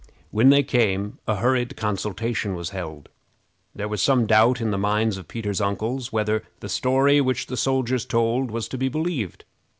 When they came, a hurried consultation was held. There was some doubt in the minds of Peter's uncles whether the story which the soldiers told was to be believed.